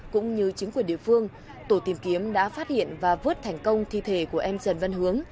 cũng như chính quyền địa phương tổ tìm kiếm đã phát hiện và vớt thành công thi thể của em trần văn hướng